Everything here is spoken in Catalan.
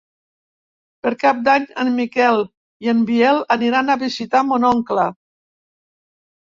Per Cap d'Any en Miquel i en Biel aniran a visitar mon oncle.